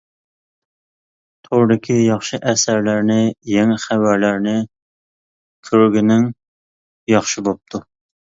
توردىكى ياخشى ئەسەرلەرنى، يېڭى خەۋەرلەرنى كۆرگىنىڭ ياخشى بوپتۇ.